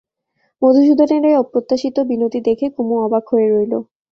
মধুসূদনের এই অপ্রত্যাশিত বিনতি দেখে কুমু অবাক হয়ে রইল।